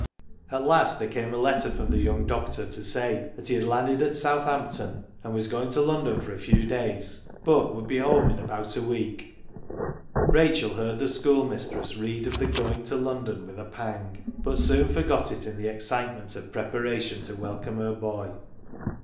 At last there came a letter from the young doctor to say that he had landed at South ampton, and was going to London for a few days, but would be home in about a week, Rachel heard the schoolmistress read of the going to London with a pang, but soon forgot it in the excitement of preparation to welcome her boy.